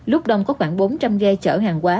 lúc đông có khoảng bốn trăm linh ghe chở hàng quá